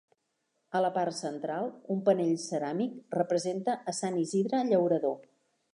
A la part central, un panell ceràmic representa a Sant Isidre Llaurador.